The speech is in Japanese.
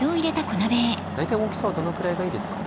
大体大きさはどのくらいがいいですか？